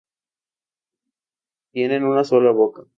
Tienen una sola boca.